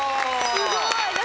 すごい！